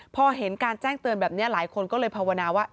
พอเห็นการแจ้งเตือนแบบนี้หลายคนก็เลยภาวนาว่า